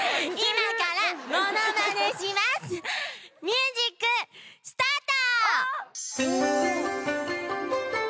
ミュージックスタート！